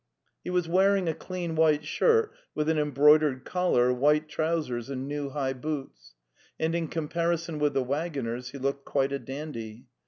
He was wearing a clean white shirt with an em broidered collar, white trousers, and new high boots, and in comparison with the waggoners he looked quite a dandy.